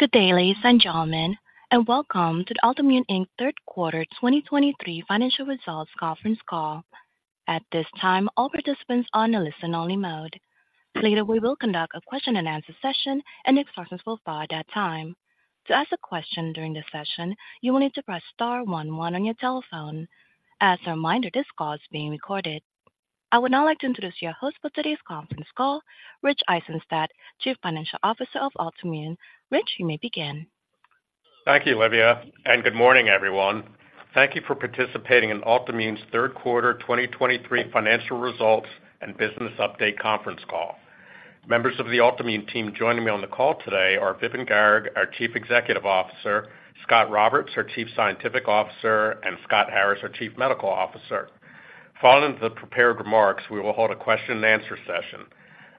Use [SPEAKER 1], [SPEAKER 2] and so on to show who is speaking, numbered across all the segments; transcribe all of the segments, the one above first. [SPEAKER 1] Good day, ladies and gentlemen, and welcome to the Altimmune, Inc. Third Quarter 2023 Financial Results Conference Call. At this time, all participants are on a listen-only mode. Later, we will conduct a question-and-answer session, and instructions will follow at that time. To ask a question during this session, you will need to press star one one on your telephone. As a reminder, this call is being recorded. I would now like to introduce your host for today's conference call, Rich Eisenstadt, Chief Financial Officer of Altimmune. Rich, you may begin.
[SPEAKER 2] Thank you, Livia, and good morning, everyone. Thank you for participating in Altimmune's Third Quarter 2023 Financial Results and Business Update Conference Call. Members of the Altimmune team joining me on the call today are Vipin Garg, our Chief Executive Officer, Scot Roberts, our Chief Scientific Officer, and Scott Harris, our Chief Medical Officer. Following the prepared remarks, we will hold a question-and-answer session.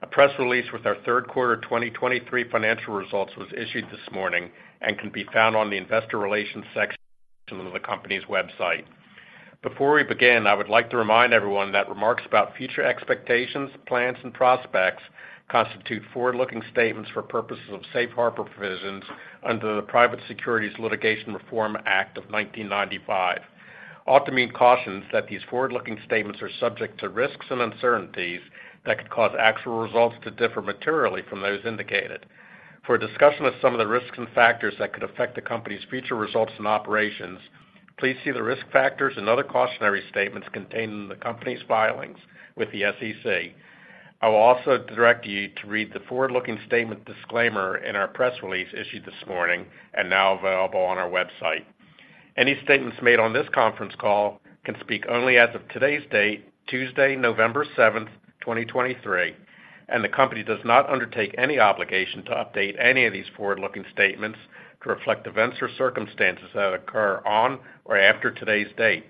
[SPEAKER 2] A press release with our third quarter 2023 financial results was issued this morning and can be found on the investor relations section of the company's website. Before we begin, I would like to remind everyone that remarks about future expectations, plans, and prospects constitute forward-looking statements for purposes of safe harbor provisions under the Private Securities Litigation Reform Act of 1995. Altimmune cautions that these forward-looking statements are subject to risks and uncertainties that could cause actual results to differ materially from those indicated. For a discussion of some of the risks and factors that could affect the company's future results and operations, please see the risk factors and other cautionary statements contained in the company's filings with the SEC. I will also direct you to read the forward-looking statement disclaimer in our press release issued this morning and now available on our website. Any statements made on this conference call can speak only as of today's date, Tuesday, November 7th, 2023, and the company does not undertake any obligation to update any of these forward-looking statements to reflect events or circumstances that occur on or after today's date.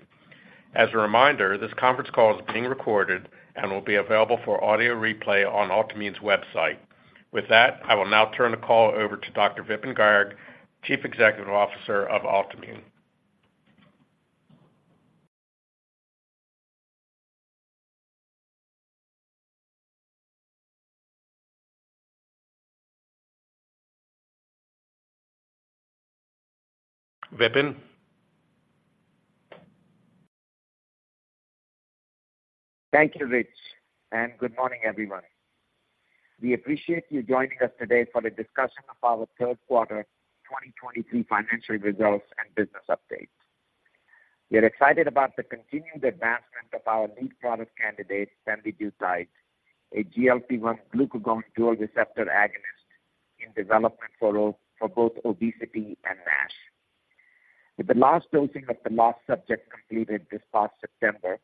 [SPEAKER 2] As a reminder, this conference call is being recorded and will be available for audio replay on Altimmune's website. With that, I will now turn the call over to Dr. Vipin Garg, Chief Executive Officer of Altimmune. Vipin?
[SPEAKER 3] Thank you, Rich, and good morning, everyone. We appreciate you joining us today for a discussion of our third quarter 2023 financial results and business update. We are excited about the continued advancement of our lead product candidate, pemvidutide, a GLP-1/glucagon dual receptor agonist in development for both, for both obesity and NASH. With the last dosing of the last subject completed this past September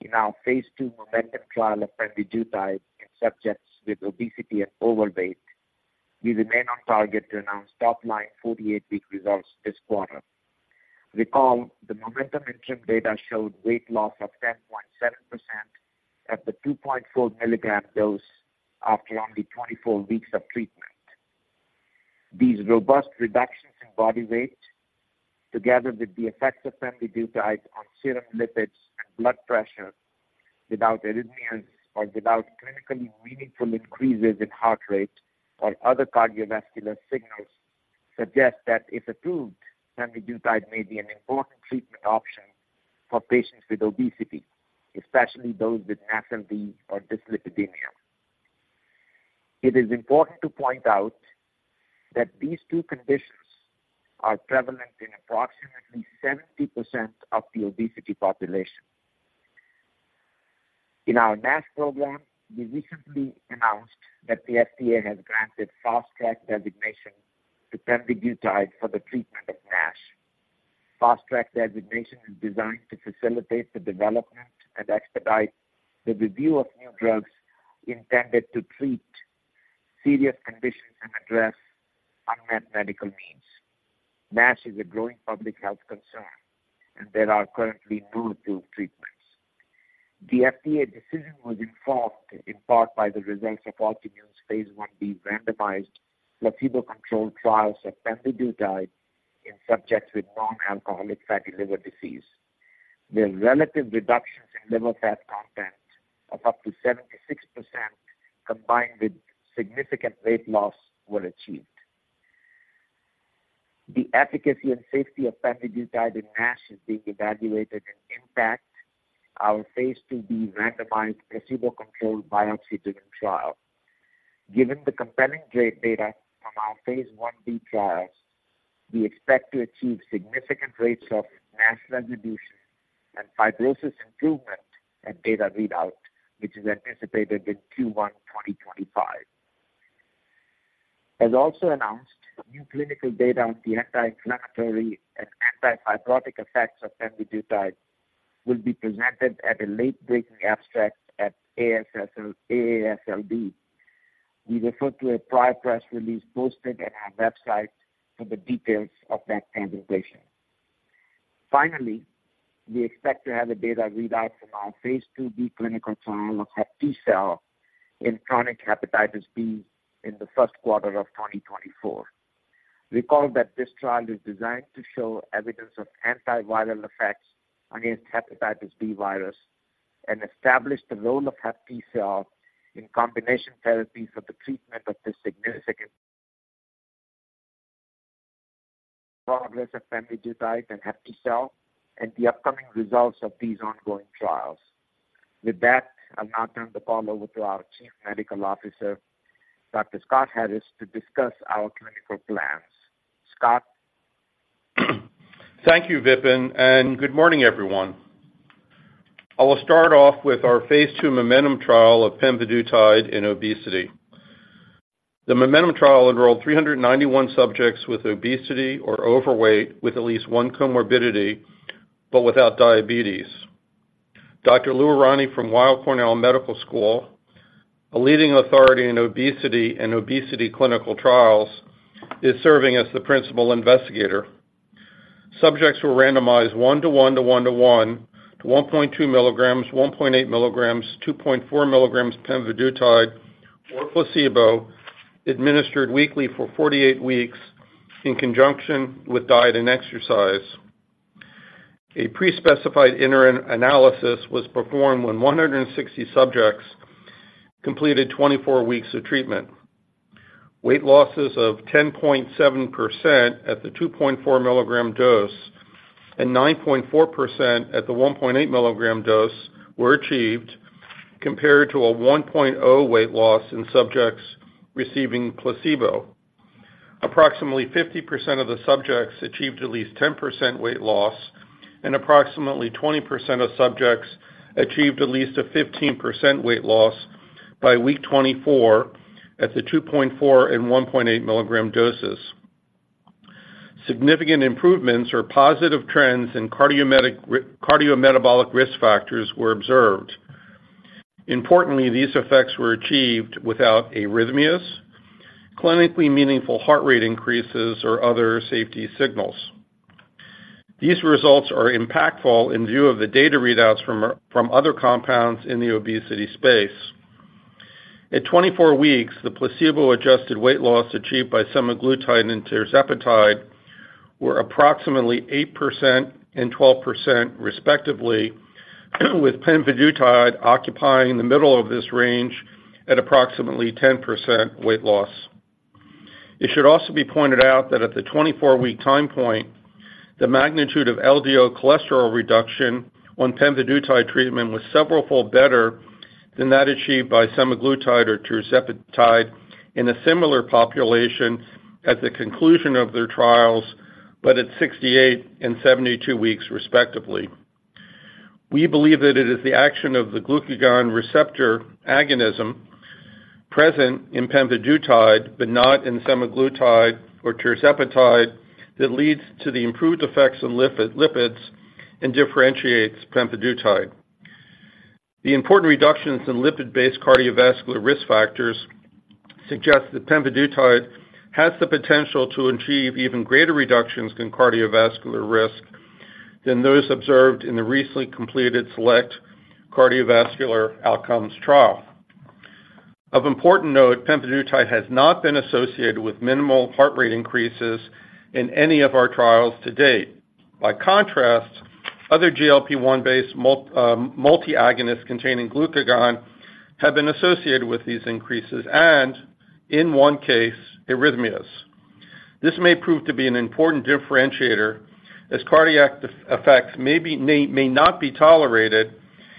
[SPEAKER 3] in our phase 2 MOMENTUM trial of pemvidutide in subjects with obesity and overweight, we remain on target to announce top-line 48-week results this quarter. Recall, the MOMENTUM interim data showed weight loss of 10.7% at the 2.4 mg dose after only 24 weeks of treatment. These robust reductions in body weight, together with the effects of pemvidutide on serum lipids and blood pressure, without arrhythmias or without clinically meaningful increases in heart rate or other cardiovascular signals, suggest that if approved, pemvidutide may be an important treatment option for patients with obesity, especially those with NASH or dyslipidemia. It is important to point out that these two conditions are prevalent in approximately 70% of the obesity population. In our NASH program, we recently announced that the FDA has granted Fast Track Designation to pemvidutide for the treatment of NASH. Fast Track Designation is designed to facilitate the development and expedite the review of new drugs intended to treat serious conditions and address unmet medical needs. NASH is a growing public health concern, and there are currently no approved treatments. The FDA decision was informed in part by the results of Altimmune's phase 1b randomized placebo-controlled trials of pemvidutide in subjects with nonalcoholic fatty liver disease. The relative reductions in liver fat content of up to 76%, combined with significant weight loss, were achieved. The efficacy and safety of pemvidutide in NASH is being evaluated in the IMPACT, our phase 2b randomized placebo-controlled biopsy-driven trial. Given the compelling data from our phase 1b trials, we expect to achieve significant rates of NASH reduction and fibrosis improvement at data readout, which is anticipated in Q1 2025. As also announced, new clinical data on the anti-inflammatory and anti-fibrotic effects of pemvidutide will be presented at a late-breaking abstract at AASLD. We refer to a prior press release posted at our website for the details of that presentation. Finally, we expect to have the data readout from our phase 2b clinical trial of HepTcell in chronic hepatitis B in the first quarter of 2024. Recall that this trial is designed to show evidence of antiviral effects against hepatitis B virus and establish the role of HepTcell in combination therapy for the treatment of this significant progress of pemvidutide and HepTcell and the upcoming results of these ongoing trials. With that, I'll now turn the call over to our Chief Medical Officer, Dr. Scott Harris, to discuss our clinical plans. Scott?
[SPEAKER 4] Thank you, Vipin, and good morning, everyone. I will start off with our phase 2 MOMENTUM trial of pemvidutide in obesity. The MOMENTUM trial enrolled 391 subjects with obesity or overweight, with at least one comorbidity, but without diabetes. Dr. Lou Aronne from Weill Cornell Medicine, a leading authority in obesity and obesity clinical trials, is serving as the principal investigator. Subjects were randomized 1:1:1:1, to 1.2 milligrams, 1.8 milligrams, 2.4 milligrams pemvidutide or placebo, administered weekly for 48 weeks in conjunction with diet and exercise. A pre-specified interim analysis was performed when 160 subjects completed 24 weeks of treatment. Weight losses of 10.7% at the 2.4 mg dose and 9.4% at the 1.8 mg dose were achieved, compared to a 1.0% weight loss in subjects receiving placebo. Approximately 50% of the subjects achieved at least 10% weight loss, and approximately 20% of subjects achieved at least a 15% weight loss by week 24 at the 2.4 and 1.8 mg doses. Significant improvements or positive trends in cardiometabolic risk factors were observed. Importantly, these effects were achieved without arrhythmias, clinically meaningful heart rate increases, or other safety signals. These results are impactful in view of the data readouts from other compounds in the obesity space. At 24 weeks, the placebo-adjusted weight loss achieved by semaglutide and tirzepatide were approximately 8% and 12%, respectively, with pemvidutide occupying the middle of this range at approximately 10% weight loss. It should also be pointed out that at the 24-week time point, the magnitude of LDL cholesterol reduction on pemvidutide treatment was severalfold better than that achieved by semaglutide or tirzepatide in a similar population at the conclusion of their trials, but at 68 and 72 weeks, respectively. We believe that it is the action of the glucagon receptor agonism present in pemvidutide, but not in semaglutide or tirzepatide, that leads to the improved effects in lipid, lipids and differentiates pemvidutide. The important reductions in lipid-based cardiovascular risk factors suggest that pemvidutide has the potential to achieve even greater reductions in cardiovascular risk than those observed in the recently completed SELECT cardiovascular outcomes trial. Of important note, pemvidutide has not been associated with minimal heart rate increases in any of our trials to date. By contrast, other GLP-1 based multi-agonists containing glucagon have been associated with these increases and, in one case, arrhythmias. This may prove to be an important differentiator, as cardiac effects may not be tolerated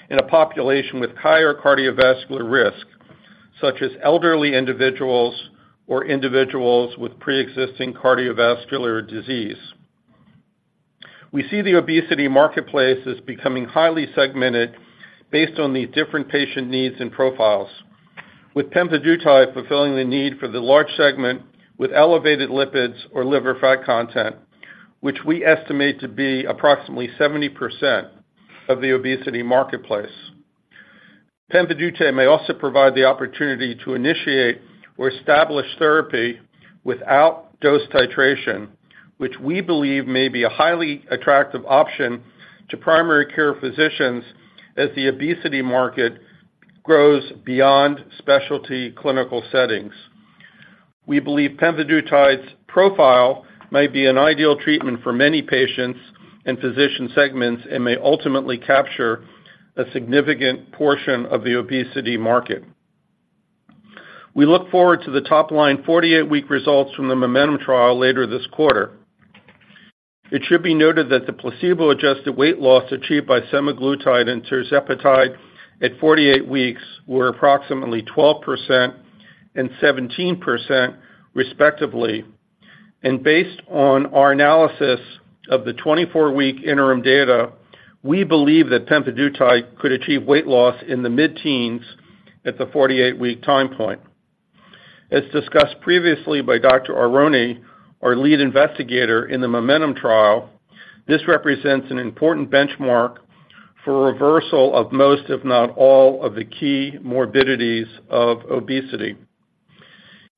[SPEAKER 4] in a population with higher cardiovascular risk, such as elderly individuals or individuals with pre-existing cardiovascular disease. We see the obesity marketplace as becoming highly segmented based on the different patient needs and profiles, with pemvidutide fulfilling the need for the large segment with elevated lipids or liver fat content, which we estimate to be approximately 70% of the obesity marketplace. Pemvidutide may also provide the opportunity to initiate or establish therapy without dose titration, which we believe may be a highly attractive option to primary care physicians as the obesity market grows beyond specialty clinical settings. We believe pemvidutide's profile may be an ideal treatment for many patients and physician segments and may ultimately capture a significant portion of the obesity market. We look forward to the top-line 48-week results from the MOMENTUM trial later this quarter. It should be noted that the placebo-adjusted weight loss achieved by semaglutide and tirzepatide at 48 weeks were approximately 12% and 17%, respectively. Based on our analysis of the 24-week interim data, we believe that pemvidutide could achieve weight loss in the mid-teens at the 48-week time point. As discussed previously by Dr. Aronne, our lead investigator in the MOMENTUM trial, this represents an important benchmark for reversal of most, if not all, of the key morbidities of obesity.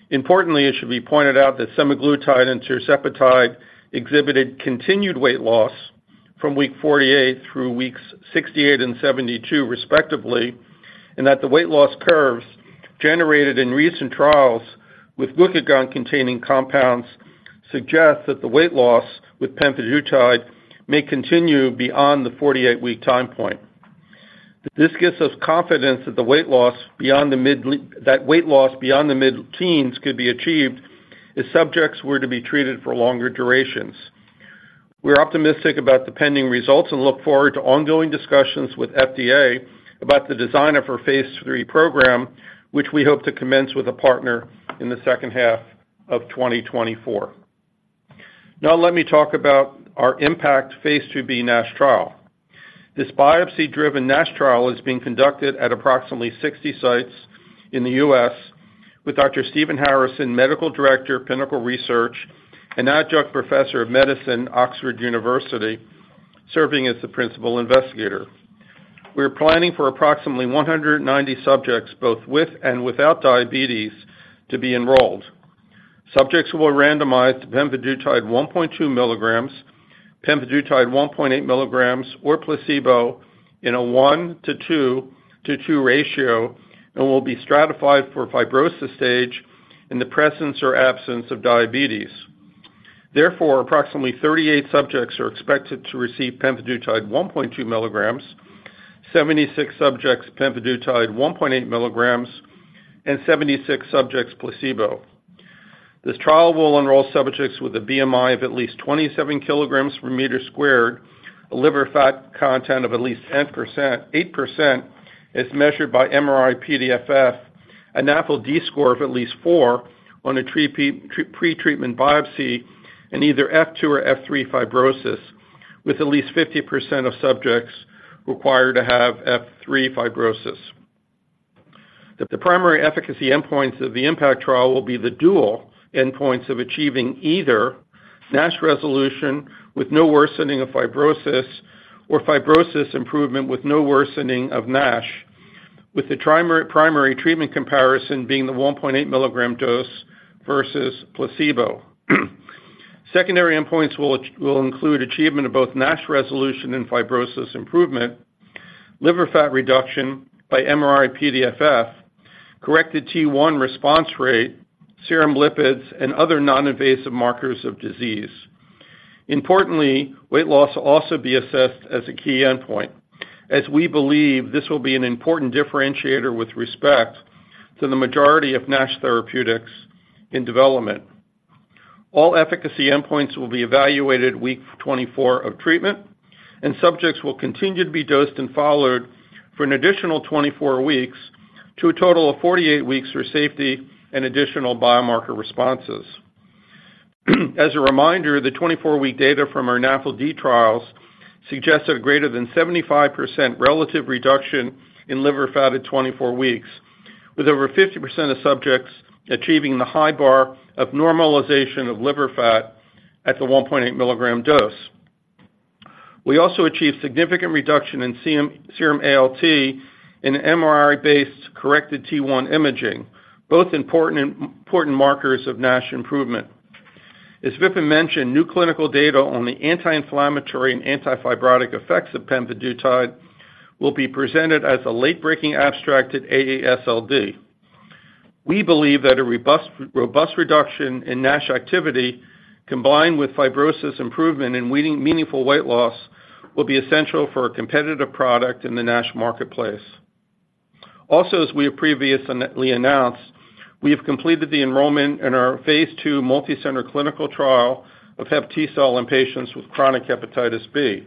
[SPEAKER 4] Importantly, it should be pointed out that semaglutide and tirzepatide exhibited continued weight loss from week 48 through weeks 68 and 72 respectively, and that the weight loss curves generated in recent trials with glucagon-containing compounds suggest that the weight loss with pemvidutide may continue beyond the 48-week time point. This gives us confidence that that weight loss beyond the mid-teens could be achieved if subjects were to be treated for longer durations. We're optimistic about the pending results and look forward to ongoing discussions with FDA about the design of our phase 3 program, which we hope to commence with a partner in the second half of 2024. Now let me talk about our IMPACT phase 2b NASH Trial. This biopsy-driven NASH Trial is being conducted at approximately 60 sites in the U.S., with Dr. Stephen Harrison, Medical Director of Pinnacle Research, and Adjunct Professor of Medicine, Oxford University, serving as the principal investigator. We are planning for approximately 190 subjects, both with and without diabetes, to be enrolled. Subjects will randomize pemvidutide 1.2 milligrams, pemvidutide 1.8 milligrams, or placebo in a 1:2:2 ratio and will be stratified for fibrosis stage in the presence or absence of diabetes. Therefore, approximately 38 subjects are expected to receive pemvidutide 1.2 milligrams, 76 subjects pemvidutide 1.8 milligrams, and 76 subjects placebo. This trial will enroll subjects with a BMI of at least 27 kilograms per meter squared, a liver fat content of at least 8%, as measured by MRI-PDFF, a NAFLD of at least four on a pretreatment biopsy, and either F2 or F3 fibrosis, with at least 50% of subjects required to have F3 fibrosis. The primary efficacy endpoints of the IMPACT trial will be the dual endpoints of achieving either NASH resolution with no worsening of fibrosis or fibrosis improvement with no worsening of NASH, with the primary treatment comparison being the 1.8 milligram dose versus placebo. Secondary endpoints will include achievement of both NASH resolution and fibrosis improvement, liver fat reduction by MRI-PDFF, corrected T1 response rate, serum lipids, and other non-invasive markers of disease. Importantly, weight loss will also be assessed as a key endpoint, as we believe this will be an important differentiator with respect to the majority of NASH therapeutics in development. All efficacy endpoints will be evaluated week 24 of treatment, and subjects will continue to be dosed and followed for an additional 24 weeks to a total of 48 weeks for safety and additional biomarker responses. As a reminder, the 24-week data from our NAFLD trials suggested a greater than 75% relative reduction in liver fat at 24 weeks, with over 50% of subjects achieving the high bar of normalization of liver fat at the 1.8 milligram dose. We also achieved significant reduction in serum ALT in MRI-based corrected T1 imaging, both important, important markers of NASH improvement. As Vipin mentioned, new clinical data on the anti-inflammatory and anti-fibrotic effects of pemvidutide will be presented as a late-breaking abstract at AASLD. We believe that a robust reduction in NASH activity, combined with fibrosis improvement and meaningful weight loss, will be essential for a competitive product in the NASH marketplace. Also, as we have previously announced, we have completed the enrollment in our phase 2 multicenter clinical trial of HepTcell in patients with chronic hepatitis B.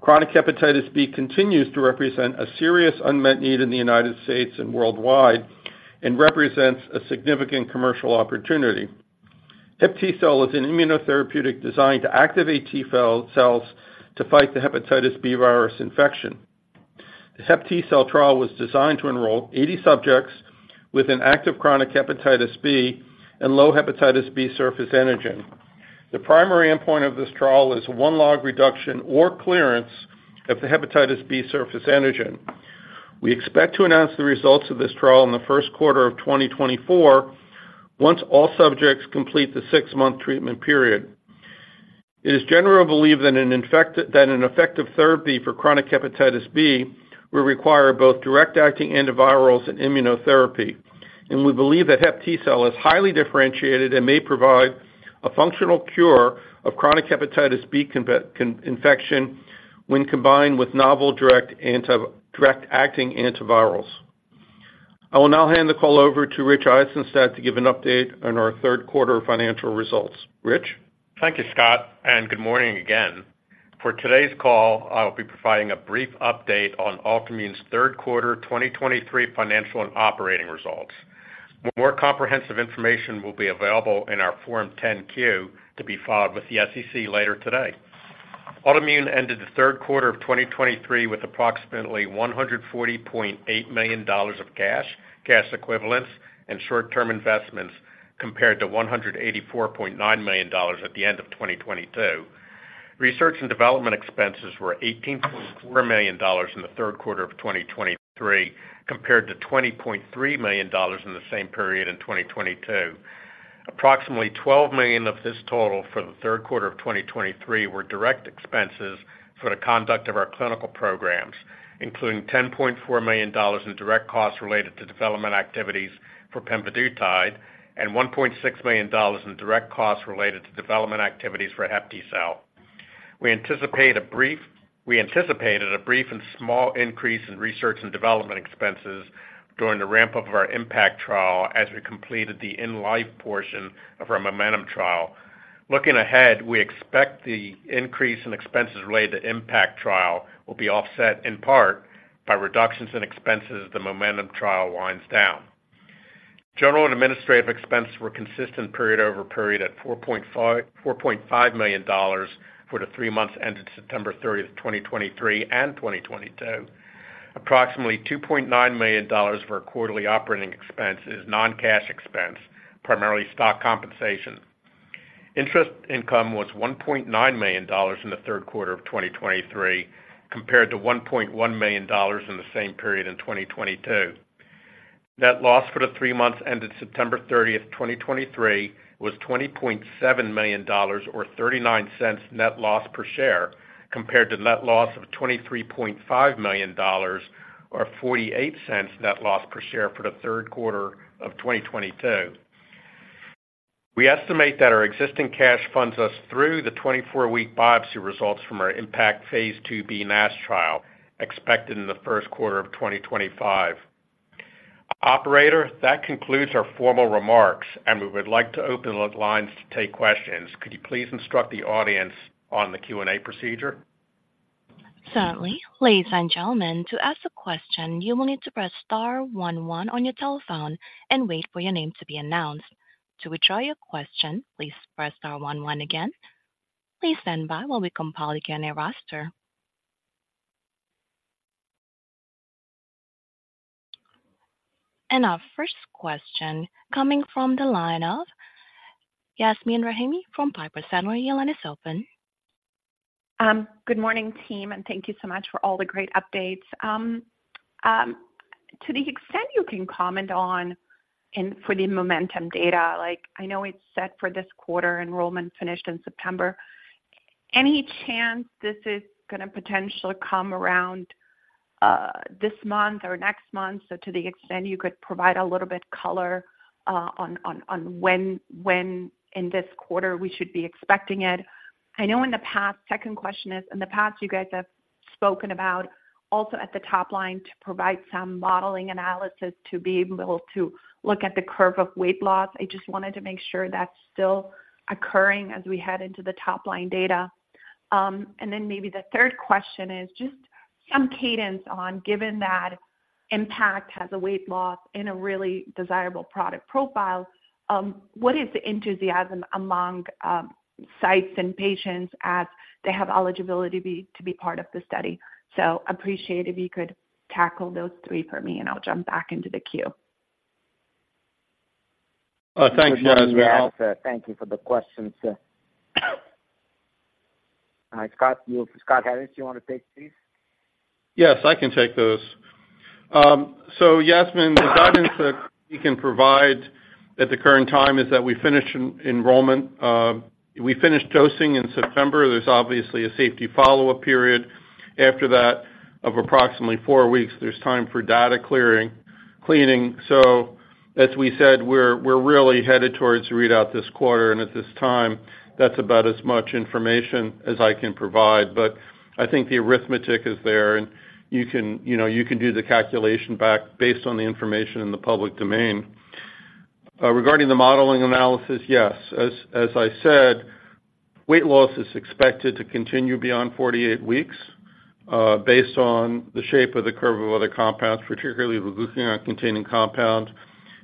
[SPEAKER 4] Chronic hepatitis B continues to represent a serious unmet need in the United States and worldwide and represents a significant commercial opportunity. HepTcell is an immunotherapeutic designed to activate T cells to fight the hepatitis B virus infection. The HepTcell trial was designed to enroll 80 subjects with an active chronic hepatitis B and low hepatitis B surface antigen. The primary endpoint of this trial is one-log reduction or clearance of the hepatitis B surface antigen. We expect to announce the results of this trial in the first quarter of 2024, once all subjects complete the six-month treatment period. It is generally believed that an effective therapy for chronic hepatitis B will require both direct-acting antivirals and immunotherapy, and we believe that HepTcell is highly differentiated and may provide a functional cure of chronic hepatitis B infection when combined with novel direct-acting antivirals. I will now hand the call over to Rich Eisenstadt to give an update on our third quarter financial results. Rich?
[SPEAKER 2] Thank you, Scott, and good morning again. For today's call, I'll be providing a brief update on Altimmune's third quarter 2023 financial and operating results. More comprehensive information will be available in our Form 10-Q to be filed with the SEC later today. Altimmune ended the third quarter of 2023 with approximately $140.8 million of cash, cash equivalents, and short-term investments, compared to $184.9 million at the end of 2022. Research and development expenses were $18.4 million in the third quarter of 2023, compared to $20.3 million in the same period in 2022. Approximately $12 million of this total for the third quarter of 2023 were direct expenses for the conduct of our clinical programs, including $10.4 million in direct costs related to development activities for pemvidutide, and $1.6 million in direct costs related to development activities for HepTcell. We anticipated a brief and small increase in research and development expenses during the ramp-up of our IMPACT trial as we completed the in-life portion of our MOMENTUM trial. Looking ahead, we expect the increase in expenses related to IMPACT trial will be offset in part by reductions in expenses as the MOMENTUM trial winds down. General and administrative expenses were consistent period-over-period at $4.5 million for the three months ended September 30, 2023 and 2022. Approximately $2.9 million for quarterly operating expenses, non-cash expense, primarily stock compensation. Interest income was $1.9 million in the third quarter of 2023, compared to $1.1 million in the same period in 2022. Net loss for the three months ended September 30, 2023, was $20.7 million, or 39 cents net loss per share, compared to net loss of $23.5 million, or 48 cents net loss per share for the third quarter of 2022. We estimate that our existing cash funds us through the 24-week biopsy results from our IMPACT phase 2b NASH Trial, expected in the first quarter of 2025. Operator, that concludes our formal remarks, and we would like to open the lines to take questions. Could you please instruct the audience on the Q&A procedure?
[SPEAKER 1] Certainly. Ladies and gentlemen, to ask a question, you will need to press star one one on your telephone and wait for your name to be announced. To withdraw your question, please press star one one again. Please stand by while we compile the Q&A roster. Our first question coming from the line of Yasmeen Rahimi from Piper Sandler. Your line is open.
[SPEAKER 5] Good morning, team, and thank you so much for all the great updates. To the extent you can comment on and for the MOMENTUM data, like I know it's set for this quarter, enrollment finished in September. Any chance this is gonna potentially come around, this month or next month? So to the extent you could provide a little bit color on when in this quarter we should be expecting it. I know in the past. Second question is, in the past you guys have spoken about also at the top line, to provide some modeling analysis to be able to look at the curve of weight loss. I just wanted to make sure that's still occurring as we head into the top-line data. And then maybe the third question is just some cadence on, given that IMPACT has a weight loss and a really desirable product profile, what is the enthusiasm among sites and patients as they have eligibility to be part of the study? So appreciate if you could tackle those three for me, and I'll jump back into the queue.
[SPEAKER 4] Thanks, Yasmeen.
[SPEAKER 3] Thank you for the questions. Scott, you, Scott Harris, do you want to take these?
[SPEAKER 4] Yes, I can take those. So Yasmeen, the guidance that we can provide at the current time is that we finished enrollment. We finished dosing in September. There's obviously a safety follow-up period after that of approximately four weeks. There's time for data clearing, cleaning. So as we said, we're really headed towards a readout this quarter, and at this time, that's about as much information as I can provide. But I think the arithmetic is there and you can, you know, you can do the calculation back based on the information in the public domain. Regarding the modeling analysis, yes, as I said, weight loss is expected to continue beyond 48 weeks, based on the shape of the curve of other compounds, particularly the glucagon-containing compounds.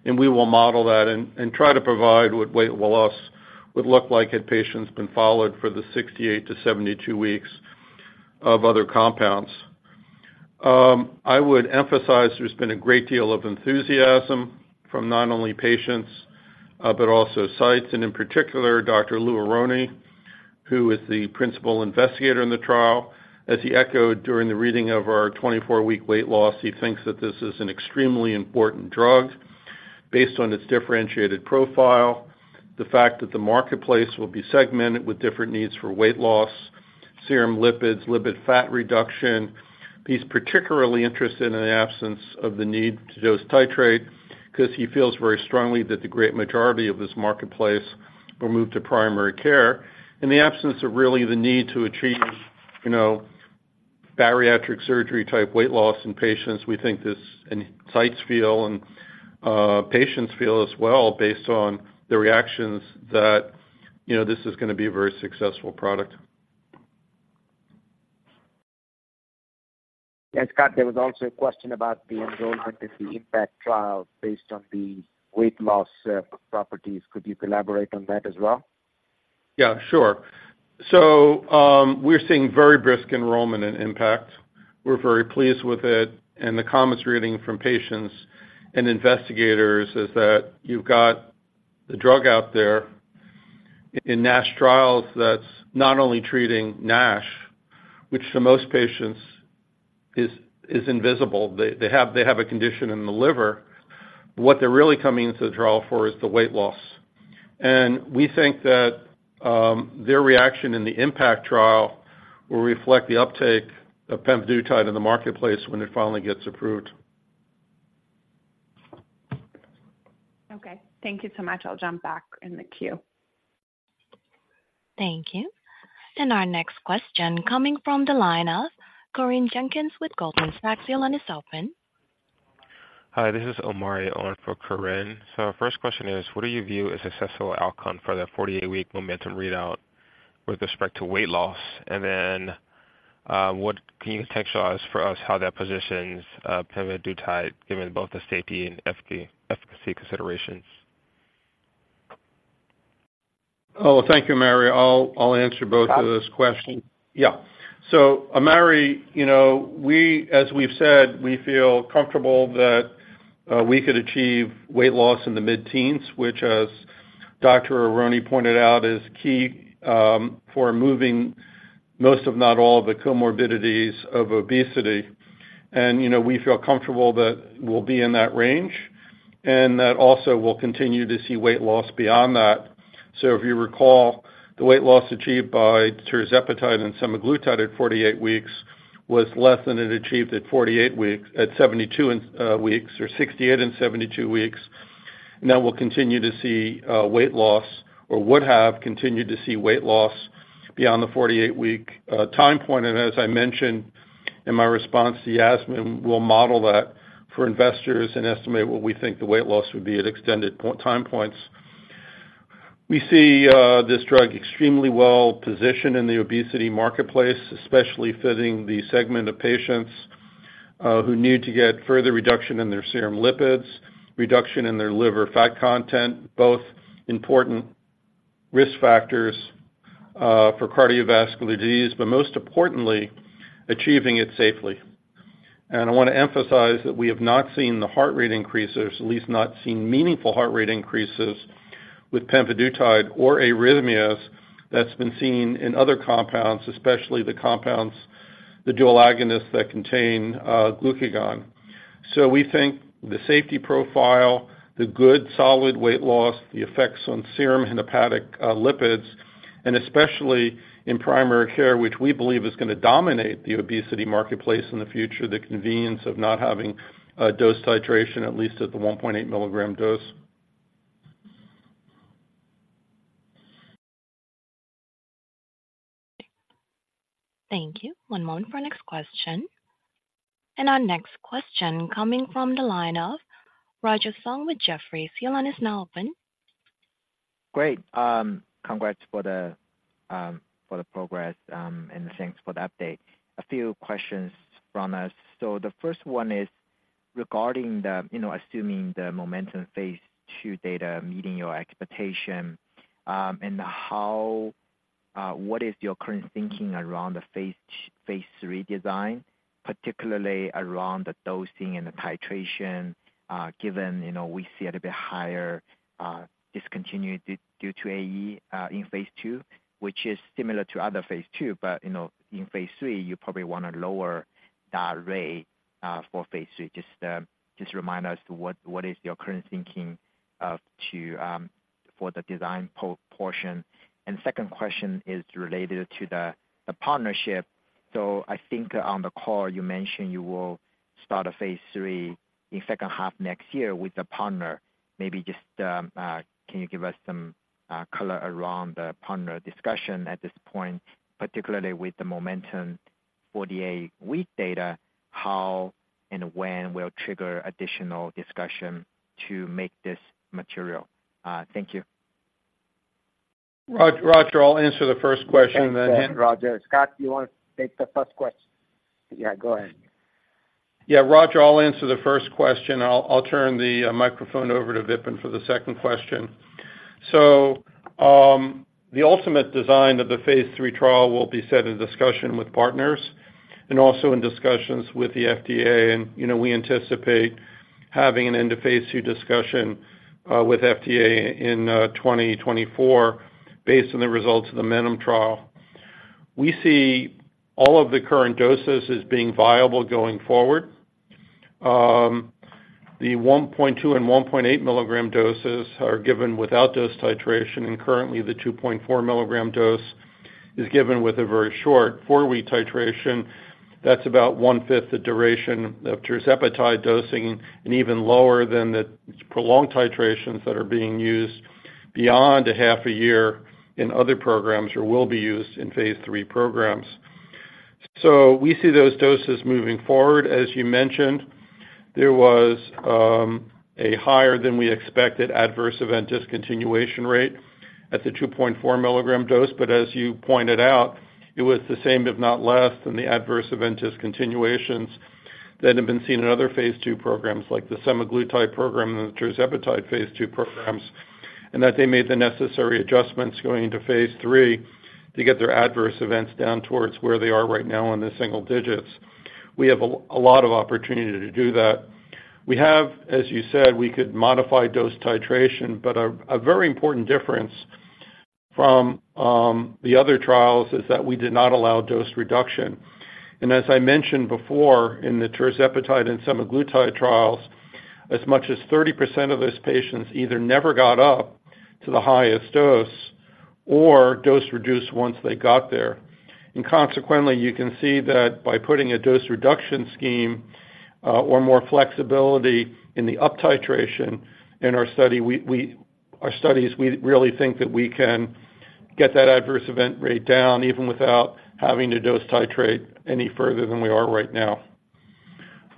[SPEAKER 4] We will model that and try to provide what weight loss would look like had patients been followed for the 68-72 weeks of other compounds. I would emphasize there's been a great deal of enthusiasm from not only patients, but also sites, and in particular, Dr. Aronne, who is the principal investigator in the trial. As he echoed during the reading of our 24-week weight loss, he thinks that this is an extremely important drug based on its differentiated profile, the fact that the marketplace will be segmented with different needs for weight loss, serum lipids, lipid fat reduction. He's particularly interested in the absence of the need to dose titrate, because he feels very strongly that the great majority of this marketplace will move to primary care. In the absence of really the need to achieve, you know, bariatric surgery type weight loss in patients, we think this, and sites feel and patients feel as well, based on the reactions, that, you know, this is gonna be a very successful product.
[SPEAKER 3] Scott, there was also a question about the enrollment of the IMPACT trial based on the weight loss properties. Could you elaborate on that as well?
[SPEAKER 4] Yeah, sure. So, we're seeing very brisk enrollment in IMPACT. We're very pleased with it, and the comments reading from patients and investigators is that you've got the drug out there in NASH Trials, that's not only treating NASH, which to most patients is invisible. They have a condition in the liver. What they're really coming into the trial for is the weight loss. And we think that their reaction in the IMPACT trial will reflect the uptake of pemvidutide in the marketplace when it finally gets approved.
[SPEAKER 5] Okay, thank you so much. I'll jump back in the queue.
[SPEAKER 1] Thank you. Our next question coming from the line of Corinne Jenkins with Goldman Sachs. Your line is open.
[SPEAKER 6] Hi, this is Omari, on for Corinne. So first question is, what do you view as successful outcome for the 48-week MOMENTUM readout with respect to weight loss? And then, what can you contextualize for us how that positions, pemvidutide, given both the safety and efficacy, efficacy considerations?
[SPEAKER 4] Oh, thank you, Omari. I'll, I'll answer both of those questions. Yeah. So Omari, you know, we, as we've said, we feel comfortable that we could achieve weight loss in the mid-teens, which, as Dr. Aronne pointed out, is key for moving most, if not all, of the comorbidities of obesity. And, you know, we feel comfortable that we'll be in that range, and that also we'll continue to see weight loss beyond that. So if you recall, the weight loss achieved by tirzepatide and semaglutide at 48 weeks was less than it achieved at 48 weeks at 72 weeks or 68 and 72 weeks. And that we'll continue to see weight loss or would have continued to see weight loss beyond the 48-week time point. And as I mentioned in my response to Yasmeen, we'll model that for investors and estimate what we think the weight loss would be at extended point-in-time points. We see this drug extremely well positioned in the obesity marketplace, especially fitting the segment of patients who need to get further reduction in their serum lipids, reduction in their liver fat content, both important risk factors for cardiovascular disease, but most importantly, achieving it safely. And I want to emphasize that we have not seen the heart rate increases, at least not seen meaningful heart rate increases, with pemvidutide or arrhythmias that been seen in other compounds, especially the compounds, the dual agonists that contain glucagon. So we think the safety profile, the good solid weight loss, the effects on serum and hepatic lipids, and especially in primary care, which we believe is gonna dominate the obesity marketplace in the future, the convenience of not having a dose titration, at least at the 1.8 milligram dose.
[SPEAKER 1] Thank you. One moment for our next question. Our next question coming from the line of Roger Song with Jefferies. Your line is now open.
[SPEAKER 7] Great. Congrats for the progress and thanks for the update. A few questions from us. So the first one is regarding the, you know, assuming the MOMENTUM phase 2 data meeting your expectation, and how, what is your current thinking around the phase 3 design, particularly around the dosing and the titration, given, you know, we see it a bit higher, discontinued due to AE, in phase 2, which is similar to other phase 2, but, you know, in phase 3, you probably want to lower that rate, for phase 3. Just remind us to what, what is your current thinking, to, for the design portion? And second question is related to the partnership. I think on the call, you mentioned you will start a phase 3 in second half next year with a partner. Maybe just can you give us some color around the partner discussion at this point, particularly with the MOMENTUM 48-week data, how and when will trigger additional discussion to make this material? Thank you.
[SPEAKER 4] Roger, I'll answer the first question, and then.
[SPEAKER 3] Roger. Scott, do you want to take the first question? Yeah, go ahead.
[SPEAKER 4] Yeah, Roger, I'll answer the first question. I'll turn the microphone over to Vipin for the second question. The ultimate design of the phase 3 trial will be set in discussion with partners and also in discussions with the FDA. You know, we anticipate having an end-of-phase 2 discussion with the FDA in 2024 based on the results of the MOMENTUM trial. We see all of the current doses as being viable going forward. The 1.2- and 1.8-milligram doses are given without dose titration, and currently, the 2.4-milligram dose is given with a very short 4-week titration. That's about one-fifth the duration of tirzepatide dosing and even lower than the prolonged titrations that are being used beyond a half a year in other programs or will be used in phase 3 programs. So we see those doses moving forward. As you mentioned, there was a higher than we expected adverse event discontinuation rate at the 2.4 milligram dose, but as you pointed out, it was the same, if not less, than the adverse event discontinuations that have been seen in other phase 2 programs, like the semaglutide program and the tirzepatide phase 2 programs, and that they made the necessary adjustments going into phase 3 to get their adverse events down towards where they are right now in the single digits. We have a lot of opportunity to do that. We have, as you said, we could modify dose titration, but a very important difference from the other trials is that we did not allow dose reduction. As I mentioned before, in the tirzepatide and semaglutide trials, as much as 30% of those patients either never got up to the highest dose or dose reduced once they got there. Consequently, you can see that by putting a dose reduction scheme, or more flexibility in the up titration in our study, our studies, we really think that we can get that adverse event rate down even without having to dose titrate any further than we are right now.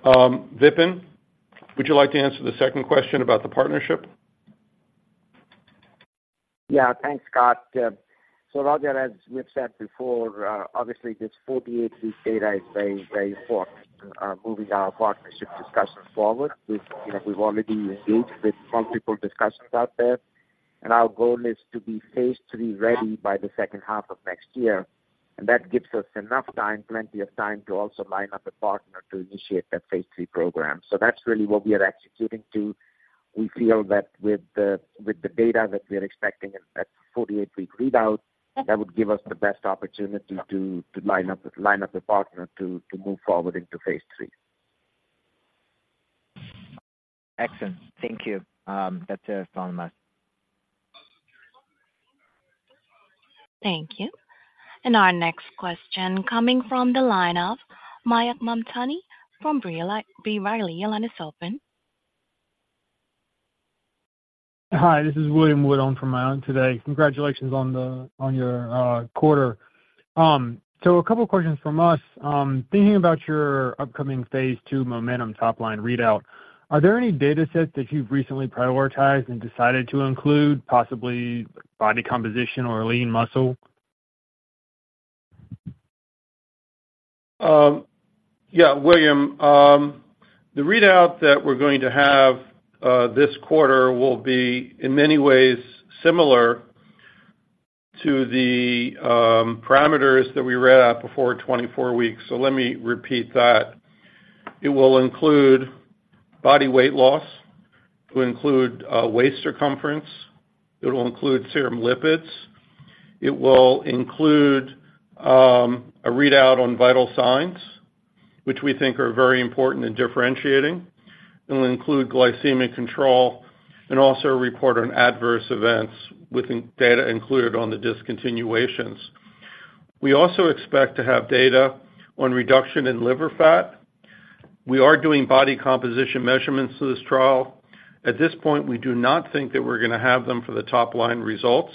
[SPEAKER 4] Vipin, would you like to answer the second question about the partnership?
[SPEAKER 3] Yeah. Thanks, Scott. So Roger, as we've said before, obviously, this 48-week data is very, very important moving our partnership discussions forward. We've, you know, we've already engaged with multiple discussions out there, and our goal is to be phase 3 ready by the second half of next year. That gives us enough time, plenty of time, to also line up a partner to initiate that phase 3 program. That's really what we are executing to. We feel that with the, with the data that we're expecting at 48-week readout, that would give us the best opportunity to, to line up, line up a partner to, to move forward into phase 3.
[SPEAKER 7] Excellent. Thank you. That's it on my.
[SPEAKER 1] Thank you. Our next question coming from the line of Mayank Mamtani from B. Riley, your line is open.
[SPEAKER 8] Hi, this is William Wood on for Mayank today. Congratulations on your quarter. So a couple of questions from us. Thinking about your upcoming phase 2 MOMENTUM top line readout, are there any data sets that you've recently prioritized and decided to include, possibly body composition or lean muscle?
[SPEAKER 4] Yeah, William, the readout that we're going to have this quarter will be in many ways similar to the parameters that we read out before 24 weeks. So let me repeat that. It will include body weight loss. It will include waist circumference. It will include serum lipids. It will include a readout on vital signs, which we think are very important in differentiating. It will include glycemic control and also a report on adverse events with incidence data included on the discontinuations. We also expect to have data on reduction in liver fat. We are doing body composition measurements to this trial. At this point, we do not think that we're going to have them for the top line results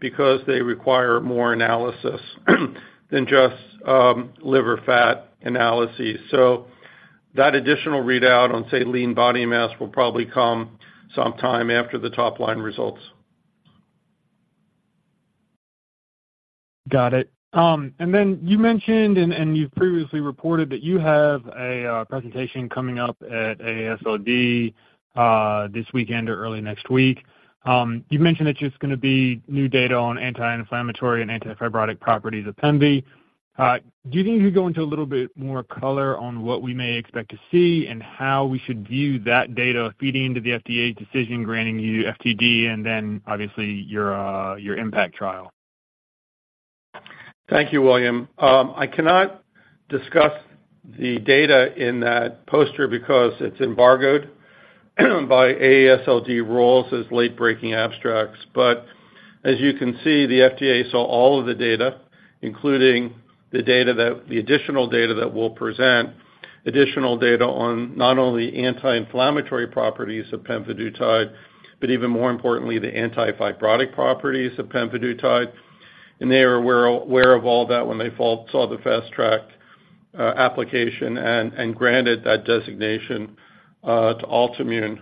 [SPEAKER 4] because they require more analysis than just liver fat analysis. That additional readout on, say, lean body mass, will probably come sometime after the top line results.
[SPEAKER 8] Got it. And then you mentioned, and you've previously reported that you have a presentation coming up at AASLD, this weekend or early next week. You've mentioned it's just going to be new data on anti-inflammatory and anti-fibrotic properties of pemvi. Do you think you could go into a little bit more color on what we may expect to see and how we should view that data feeding into the FDA's decision granting you FTD and then obviously your IMPACT trial?
[SPEAKER 4] Thank you, William. I cannot discuss the data in that poster because it's embargoed by AASLD rules as late-breaking abstracts. But as you can see, the FDA saw all of the data, including the additional data that we'll present. Additional data on not only anti-inflammatory properties of pemvidutide, but even more importantly, the anti-fibrotic properties of pemvidutide. And they are aware of all that when they saw the Fast Track application and granted that designation to Altimmune.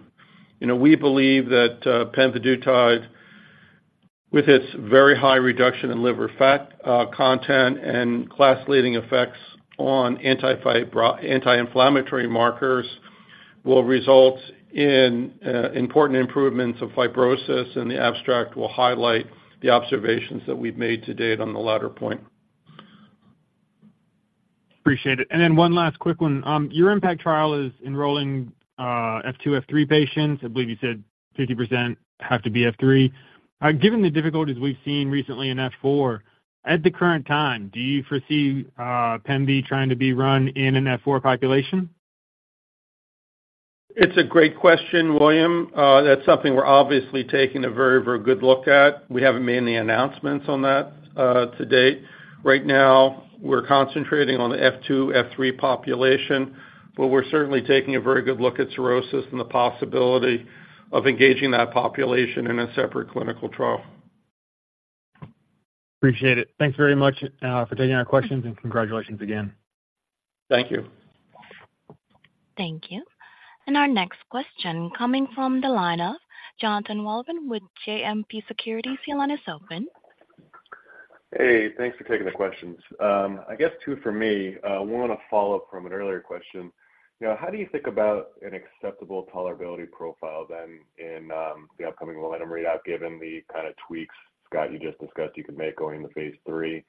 [SPEAKER 4] You know, we believe that pemvidutide, with its very high reduction in liver fat content and class-leading effects on anti-fibrotic and anti-inflammatory markers, will result in important improvements of fibrosis, and the abstract will highlight the observations that we've made to date on the latter point.
[SPEAKER 8] Appreciate it. One last quick one. Your IMPACT trial is enrolling F2, F3 patients. I believe you said 50% have to be F3. Given the difficulties we've seen recently in F4, at the current time, do you foresee pemvidutide trying to be run in an F4 population?
[SPEAKER 4] It's a great question, William. That's something we're obviously taking a very, very good look at. We haven't made any announcements on that to date. Right now, we're concentrating on the F2, F3 population, but we're certainly taking a very good look at cirrhosis and the possibility of engaging that population in a separate clinical trial.
[SPEAKER 8] Appreciate it. Thanks very much, for taking our questions, and congratulations again.
[SPEAKER 4] Thank you.
[SPEAKER 1] Thank you. Our next question coming from the line of Jonathan Wolleben with JMP Securities. Your line is open.
[SPEAKER 9] Hey, thanks for taking the questions. I guess two for me. One, a follow-up from an earlier question. You know, how do you think about an acceptable tolerability profile then in the upcoming MOMENTUM readout, given the kind of tweaks, Scott, you just discussed you could make going into phase 3?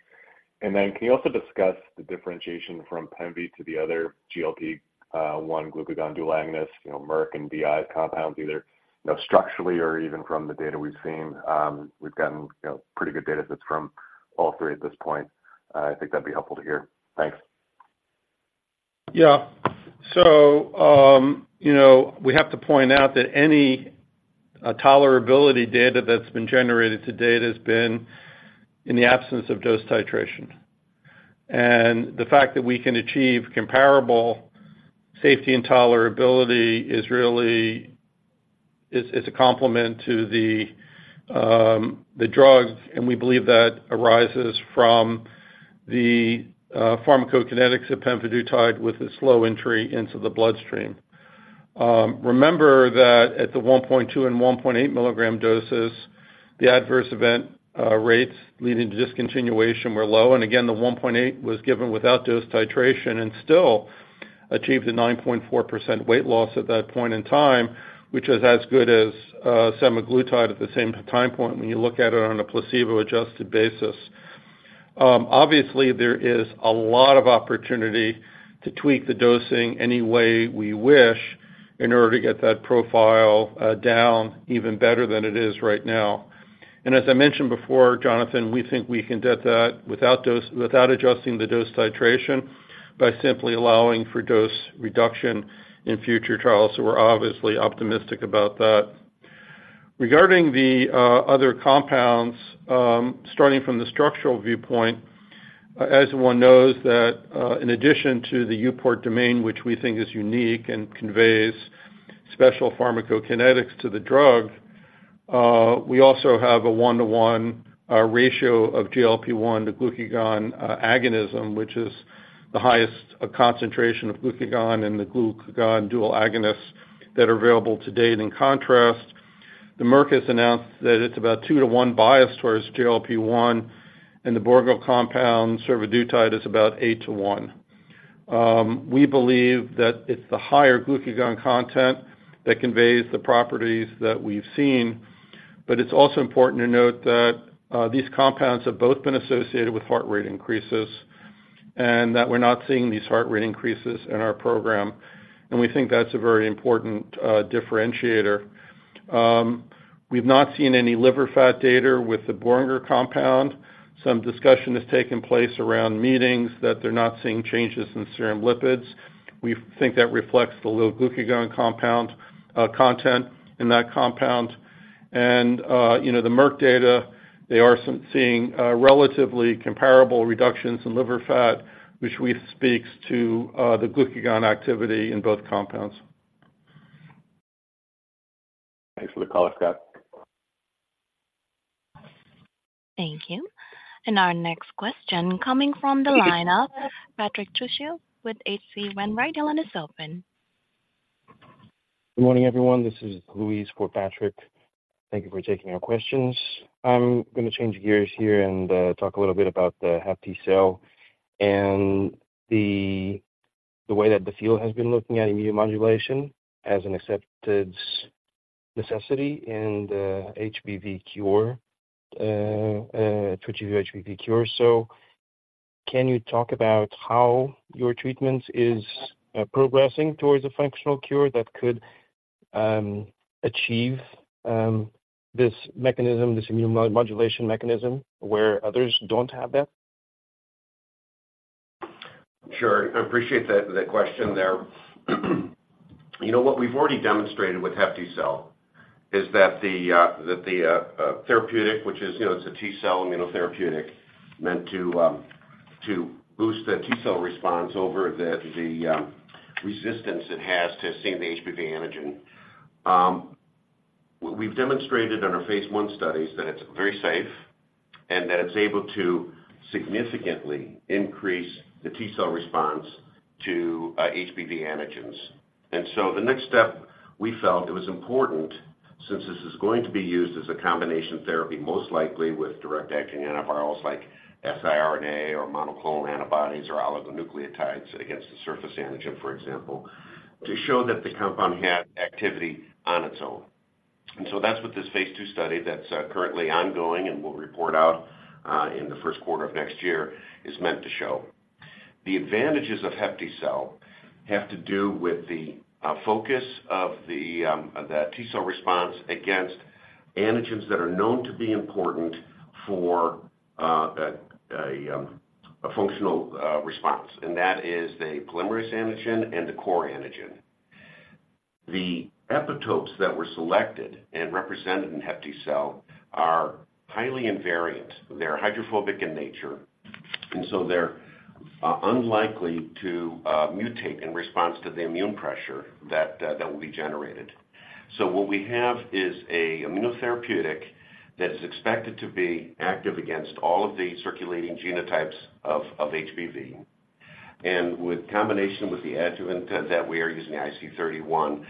[SPEAKER 9] And then can you also discuss the differentiation from pemvidutide to the other GLP-1/glucagon dual agonist, you know, Merck and BI compounds, either, you know, structurally or even from the data we've seen? We've gotten, you know, pretty good data sets from all three at this point. I think that'd be helpful to hear. Thanks.
[SPEAKER 4] Yeah. So, you know, we have to point out that any tolerability data that's been generated to date has been in the absence of dose titration. And the fact that we can achieve comparable safety and tolerability is really a compliment to the drug, and we believe that arises from the pharmacokinetics of pemvidutide with a slow entry into the bloodstream. Remember that at the 1.2 and 1.8 milligram doses, the adverse event rates leading to discontinuation were low. And again, the 1.8 was given without dose titration and still achieved a 9.4% weight loss at that point in time, which is as good as semaglutide at the same time point when you look at it on a placebo-adjusted basis. Obviously, there is a lot of opportunity to tweak the dosing any way we wish in order to get that profile down even better than it is right now. As I mentioned before, Jonathan, we think we can get that without adjusting the dose titration, by simply allowing for dose reduction in future trials. So we're obviously optimistic about that. Regarding the other compounds, starting from the structural viewpoint, as one knows that, in addition to the EuPort domain, which we think is unique and conveys special pharmacokinetics to the drug, we also have a 1:1 ratio of GLP-1 to glucagon agonism, which is the highest concentration of glucagon in the glucagon dual agonists that are available to date. In contrast, Merck has announced that it's about 2:1 biased towards GLP-1, and the Boehringer compound, survodutide, is about 8:1. We believe that it's the higher glucagon content that conveys the properties that we've seen. But it's also important to note that these compounds have both been associated with heart rate increases, and that we're not seeing these heart rate increases in our program, and we think that's a very important differentiator. We've not seen any liver fat data with the Boehringer compound. Some discussion has taken place around meetings that they're not seeing changes in serum lipids. We think that reflects the low glucagon compound content in that compound. And, you know, the Merck data, they are seeing relatively comparable reductions in liver fat, which speaks to the glucagon activity in both compounds.
[SPEAKER 9] Thanks for the call, Scott.
[SPEAKER 1] Thank you. Our next question coming from the line of Patrick Trucchio with H.C. Wainwright. Your line is open.
[SPEAKER 10] Good morning, everyone. This is Luis, for Patrick. Thank you for taking our questions. I'm gonna change gears here and talk a little bit about the HepTcell and the way that the field has been looking at immunomodulation as an accepted necessity in the HBV cure to achieve HBV cure. So can you talk about how your treatment is progressing towards a functional cure that could achieve this mechanism, this immunomodulation mechanism, where others don't have that?
[SPEAKER 11] Sure. I appreciate that, the question there. You know, what we've already demonstrated with HepTcell is that the therapeutic, which is, you know, it's a T-cell immunotherapeutic meant to boost the T-cell response over the resistance it has to seeing the HBV antigens. We've demonstrated in our phase 1 studies that it's very safe and that it's able to significantly increase the T-cell response to HBV antigens. And so the next step, we felt it was important since this is going to be used as a combination therapy, most likely with direct-acting antivirals like siRNA or monoclonal antibodies or oligonucleotides against the surface antigen, for example, to show that the compound had activity on its own. That's what this phase 2 study that's currently ongoing and we'll report out in the first quarter of next year is meant to show. The advantages of HepTcell have to do with the focus of the T-cell response against antigens that are known to be important for a functional response, and that is the polymerase antigen and the core antigen. The epitopes that were selected and represented in HepTcell are highly invariant. They're hydrophobic in nature, and so they're unlikely to mutate in response to the immune pressure that will be generated. So what we have is an immunotherapeutic that is expected to be active against all of the circulating genotypes of HBV. And with combination with the adjuvant that we are using, IC31,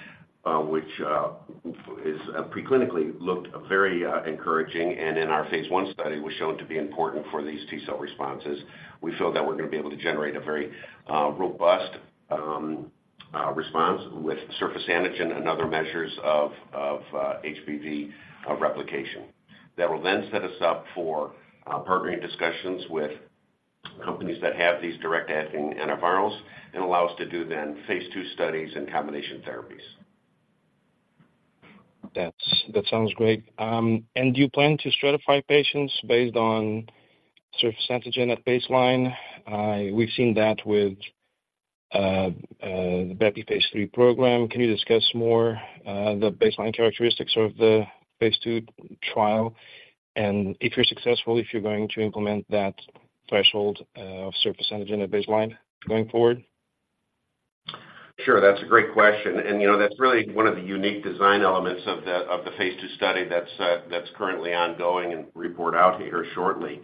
[SPEAKER 11] which is preclinically looked very encouraging, and in our phase 1 study, was shown to be important for these T-cell responses. We feel that we're going to be able to generate a very robust response with surface antigen and other measures of HBV replication. That will then set us up for partnering discussions with companies that have these direct-acting antivirals and allow us to do then phase 2 studies and combination therapies.
[SPEAKER 10] That sounds great. And do you plan to stratify patients based on surface antigen at baseline? We've seen that with the Bepi phase 3 program. Can you discuss more the baseline characteristics of the phase 2 trial? And if you're successful, if you're going to implement that threshold of surface antigen at baseline going forward?
[SPEAKER 11] Sure. That's a great question, and, you know, that's really one of the unique design elements of the phase 2 study that's currently ongoing and report out here shortly,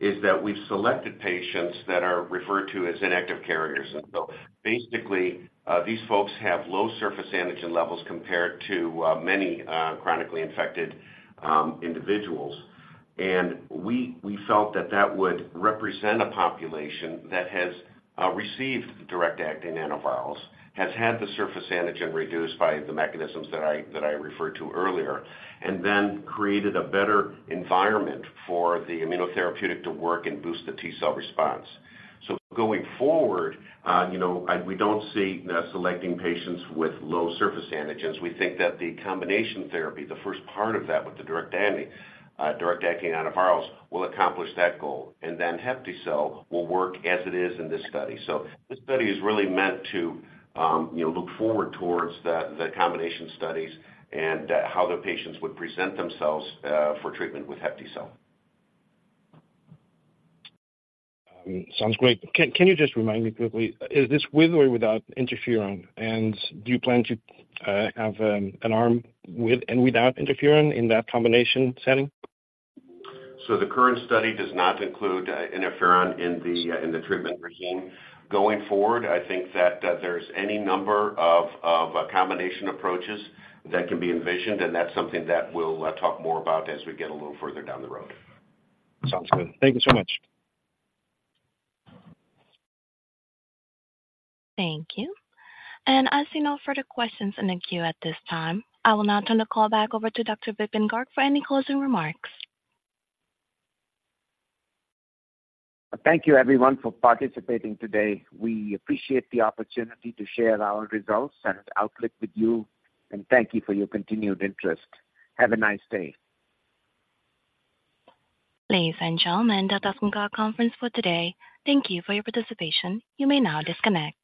[SPEAKER 11] is that we've selected patients that are referred to as inactive carriers. And so basically, these folks have low surface antigen levels compared to many chronically infected individuals. And we felt that that would represent a population that has received direct-acting antivirals, has had the surface antigen reduced by the mechanisms that I referred to earlier, and then created a better environment for the immunotherapeutic to work and boost the T cell response. So going forward, you know, we don't see selecting patients with low surface antigens. We think that the combination therapy, the first part of that with the direct-acting antivirals, will accomplish that goal, and then HepTcell will work as it is in this study. So this study is really meant to, you know, look forward towards the combination studies and how the patients would present themselves for treatment with HepTcell.
[SPEAKER 10] Sounds great. Can you just remind me quickly, is this with or without interferon? And do you plan to have an arm with and without interferon in that combination setting?
[SPEAKER 11] So the current study does not include interferon in the treatment regimen. Going forward, I think that there's any number of combination approaches that can be envisioned, and that's something that we'll talk more about as we get a little further down the road.
[SPEAKER 10] Sounds good. Thank you so much.
[SPEAKER 1] Thank you. I see no further questions in the queue at this time. I will now turn the call back over to Dr. Vipin Garg for any closing remarks.
[SPEAKER 3] Thank you, everyone, for participating today. We appreciate the opportunity to share our results and outlook with you, and thank you for your continued interest. Have a nice day.
[SPEAKER 1] Ladies and gentlemen, that concludes our conference for today. Thank you for your participation. You may now disconnect.